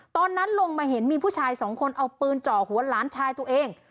ตอนนั้นลงมาเห็นมีผู้ชายสองคนเอาปืนเจาะหัวหลานชายตัวเอง